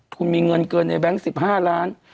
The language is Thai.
คุณมีเงินเกินไอ้เบงก์๑๕๐๐๐๐๐๐